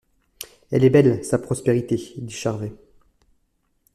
Elle est belle, sa prospérité, dit Charvet.